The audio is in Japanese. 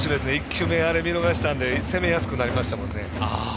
１球目、見逃したので攻めやすくなりましたね。